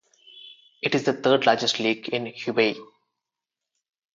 It is the third largest lake in Hubei.